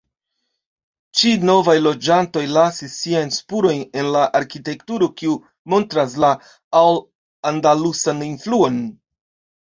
Ĉi novaj loĝantoj lasis siajn spurojn en la arkitekturo kiu montras la al-andalusan influon.